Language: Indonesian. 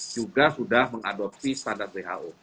juga sudah mengadopsi standar who